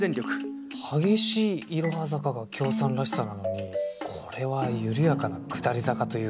激しいいろは坂がきょーさんらしさなのにこれは緩やかな下り坂というか。